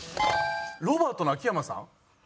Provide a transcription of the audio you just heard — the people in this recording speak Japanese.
ロバートの秋山さん？